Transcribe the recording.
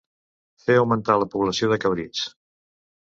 Fer augmentar la població de cabrits.